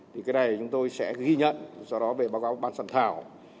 thì cái này chúng tôi sẽ ghi nhận sau đó về báo cáo bàn sản thảo